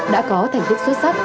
đã có thành tích xuất sắc